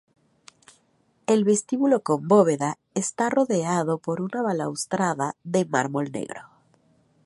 El vestíbulo con bóveda está rodeado por una balaustrada de mármol negro.